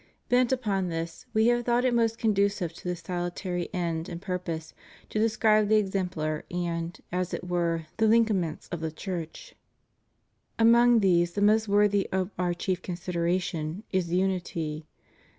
Bent upon this, We have thought it most conducive to this salutary end and pur pose to describe the exemplar and, as it were, the linea ments of the Church. Amongst these the most worthy of Our chief consideration is Unity.